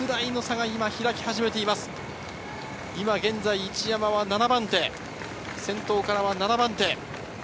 今現在、一山は７番手、先頭からは７番手。